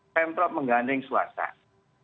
pentrop mengganding suasana